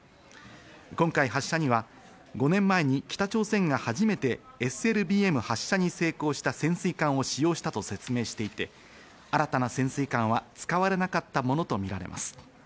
今回発射には５年前に北朝鮮が初めてＳＬＢＭ発射に成功した潜水艦を使用したと説明していて、新たな潜水艦は使われなかったものとみられます。